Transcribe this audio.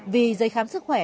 vì giấy khám sức khỏe